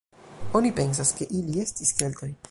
Oni pensas ke ili estis Keltoj.